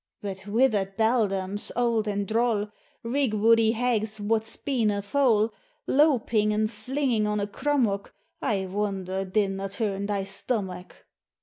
But withered beldams, auld and droll, Rigwoodie hags wad spean a foal, Lowping an' flinging on a crummock, —• I wonder didna turn thy stomach.